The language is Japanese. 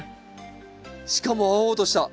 しかも青々とした。